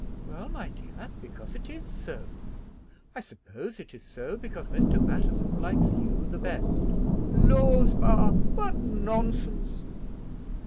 "Well, my dear, because it is so. I suppose it is so because Mr. Matterson likes you the best." "Laws, ma; what nonsense!"